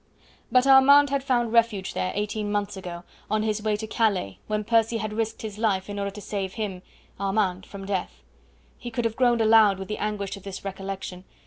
But Armand had found refuge there eighteen months ago, on his way to Calais, when Percy had risked his life in order to save him Armand from death. He could have groaned aloud with the anguish of this recollection.